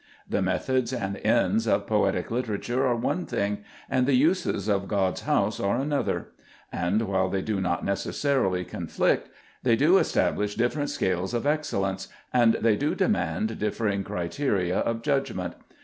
The methods and ends of poetic literature are one thing, and the uses of God's house are another, and, while they do not necessarily conflict, they do establish differing scales of excellence, and they do demand differing cri teria of judgment.